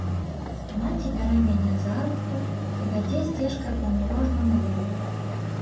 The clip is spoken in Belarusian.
Маці бярэ мяне за руку і вядзе сцежкай па мурожнаму лугу.